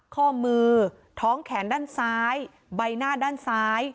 ข้อมือท้องแขนด้านซ้ายใบหน้าด้านซ้าย